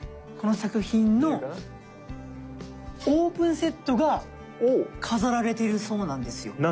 オープンセットが飾られているそうなんですよ。